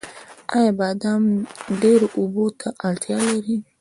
آیا بادام ډیرو اوبو ته اړتیا لري؟